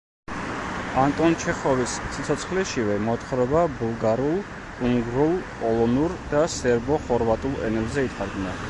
ანტონ ჩეხოვის სიცოცხლეშივე მოთხრობა ბულგარულ, უნგრულ, პოლონურ და სერბო-ხორვატულ ენებზე ითარგმნა.